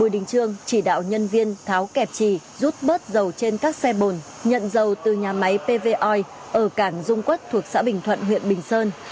bùi đình trương chỉ đạo nhân viên tháo kẹp trì rút bớt dầu trên các xe bồn nhận dầu từ nhà máy pvr ở cảng dung quất thuộc xã bình thuận huyện bình sơn